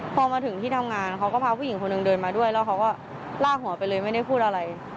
พอมาถึงที่ทำงานเขาก็พาผู้หญิงคนหนึ่งเดินมาด้วยแล้วเขาก็ลากหัวไปเลยไม่ได้พูดอะไร